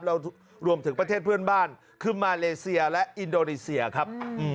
รวมถึงประเทศเพื่อนบ้านคือมาเลเซียและอินโดนีเซียครับ